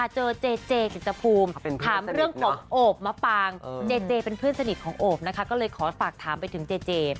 เจเจเป็นเพื่อนสนิทของโอบนะคะก็เลยขอฝากถามไปถึงเจเจ